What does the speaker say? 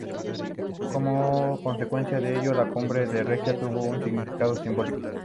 Como consecuencia de ello, la Cumbre de Riga tuvo un significado simbólico.